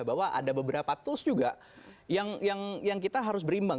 bahwa ada beberapa tools juga yang kita harus berimbang